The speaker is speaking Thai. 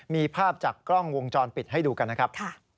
มีภาพจากกล้องวงจรปิดให้ดูกันนะครับ